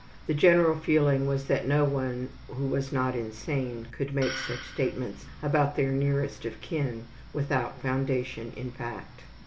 The general feeling was that no one who was not insane could make such statements about their nearest of kin without foundation in fact.